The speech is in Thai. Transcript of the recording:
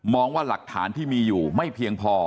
ว่าหลักฐานที่มีอยู่ไม่เพียงพอ